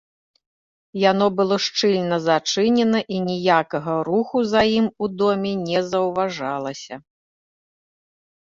Яно было шчыльна зачынена, і ніякага руху за ім у доме не заўважалася.